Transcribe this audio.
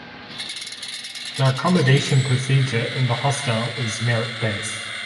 The accommodation procedure in the hostel is merit based.